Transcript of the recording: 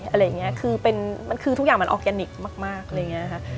อะไรอย่างนี้คือมันคือทุกอย่างมันออร์แกนิคมากอะไรอย่างนี้ค่ะ